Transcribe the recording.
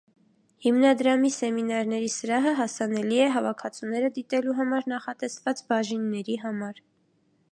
Հիմնադրամի սեմինարների սրահը հասանելի է հավաքածուները դիտելու համար նախատեսված բաժինների համար։